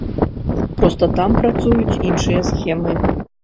Проста там працуюць іншыя схемы.